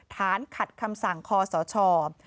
ฐานขัดคำสั่งคอสช